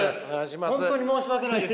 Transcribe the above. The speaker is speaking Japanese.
本当に申し訳ないです